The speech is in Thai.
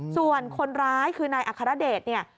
ส่วนคนร้ายคือนายอัครเดชเนี่ย